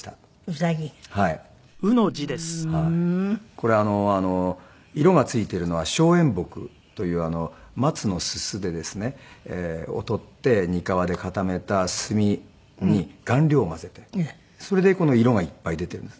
これ色が付いているのは松煙墨という松のススを取ってにかわで固めた墨に顔料を混ぜてそれでこの色がいっぱい出ているんです。